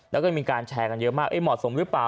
แล้วก็มีการแชร์กันเยอะมากเหมาะสมหรือเปล่า